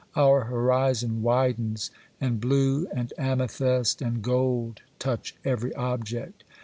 Our horizon widens, and blue, and amethyst, and gold touch every object.